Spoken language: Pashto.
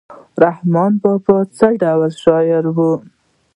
رحمان بابا څه ډول شاعر و؟